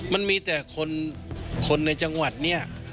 มันมีแต่คนในจังหวัดเนี่ย